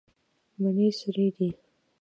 مڼې سرې دي.